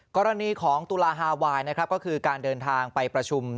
กรณีของตุลาฮาไวน์นะครับก็คือการเดินทางไปประชุม